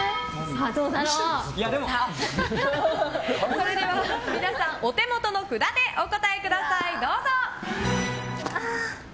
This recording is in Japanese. それでは、皆さんお手元の札でお答えください。